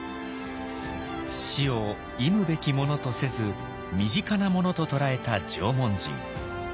死を忌むべきものとせず身近なものと捉えた縄文人。